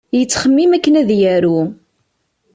Yettxemmim akken ad yaru.